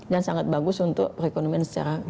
dan sangat bagus untuk perekonomian secara sempurna